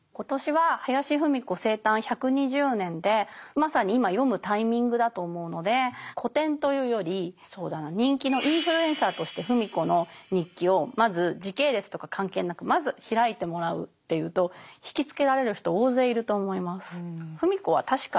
まさに今読むタイミングだと思うので古典というよりそうだな人気のインフルエンサーとして芙美子の日記をまず時系列とか関係なくまず開いてもらうっていうと惹きつけられる人大勢いると思います。